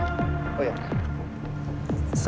tidak ada yang bisa dikira